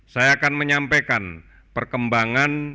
saya akan menyampaikan perkembangan